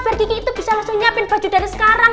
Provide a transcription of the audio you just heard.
biar kiki itu bisa langsung nyapin baju dari sekarang